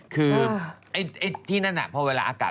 คือที่นั่นพอเวลาอากาศ